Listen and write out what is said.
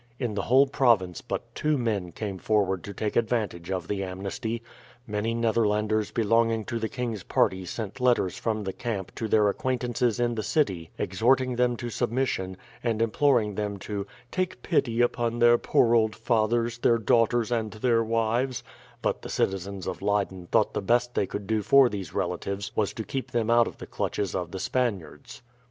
In the whole province but two men came forward to take advantage of the amnesty. Many Netherlanders belonging to the king's party sent letters from the camp to their acquaintances in the city exhorting them to submission, and imploring them "to take pity upon their poor old fathers, their daughters, and their wives;" but the citizens of Leyden thought the best they could do for these relatives was to keep them out of the clutches of the Spaniards.